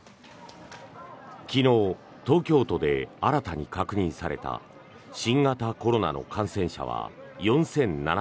昨日、東京都で新たに確認された新型コロナの感染者は４７０２人。